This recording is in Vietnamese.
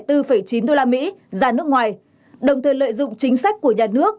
năm mươi ba năm trăm sáu mươi hai bảy trăm linh bốn chín usd ra nước ngoài đồng thời lợi dụng chính sách của nhà nước